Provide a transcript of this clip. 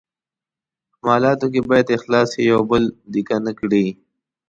په معالاتو کې باید اخلاص وي، یو بل ډیکه نه کړي.